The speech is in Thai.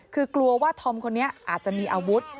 คือกลัวว่าธอมคนนี้อาจจะมีอาวุธ